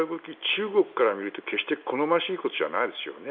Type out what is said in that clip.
中国から見ると決して好ましいことじゃないですよね。